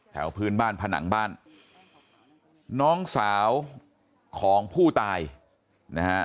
พื้นบ้านผนังบ้านน้องสาวของผู้ตายนะฮะ